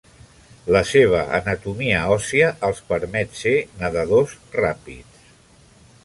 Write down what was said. La seva anatomia òssia les permet ser nedadors ràpids.